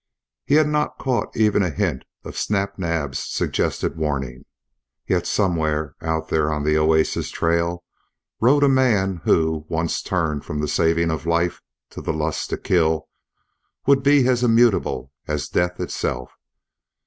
He had not caught even a hint of Snap Naab's suggested warning. Yet somewhere out on the oasis trail rode a man who, once turned from the saving of life to the lust to kill, would be as immutable as death itself.